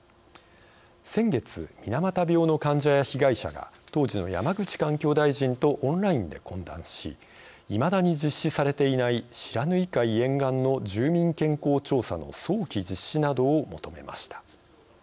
先月、水俣病の患者や被害者が当時の山口環境大臣とオンラインで懇談しいまだに実施されていない不知火海沿岸の住民健康調査の早期実施などを求めました。